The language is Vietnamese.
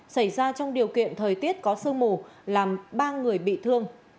xảy ra trong điều kiện thời tiết có sương mù làm ba người bị thương